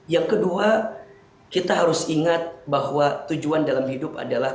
yang kedua kita harus ingat bahwa tujuan dalam hidup adalah